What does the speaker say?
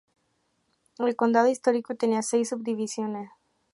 El condado histórico tenía seis subdivisiones.